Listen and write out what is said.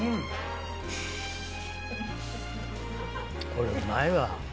これうまいわ。